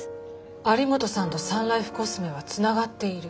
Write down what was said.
有本さんとサンライフコスメはつながっている？